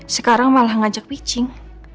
sekarang malah ngajak pitching